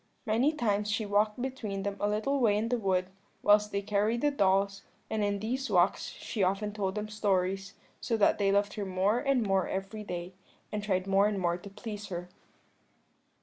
Many times she walked between them a little way in the wood, whilst they carried the dolls, and in these walks she often told them stories, so that they loved her more and more every day, and tried more and more to please her.